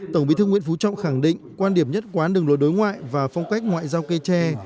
tổng bí thư nguyễn phú trọng khẳng định quan điểm nhất quán đường lối đối ngoại và phong cách ngoại giao cây tre